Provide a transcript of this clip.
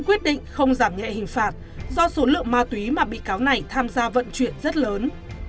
quyết định không giảm nhẹ hình phạt do số lượng ma túy mà bị cáo này tham gia vận chuyển rất lớn